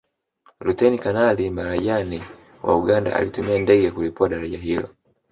Luteni Kanali Marajani wa Uganda alitumia ndege kulipua daraja hilo